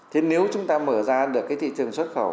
thế nếu chúng ta mở ra được cái thị trường xuất khẩu